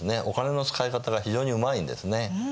お金の使い方が非常にうまいんですね。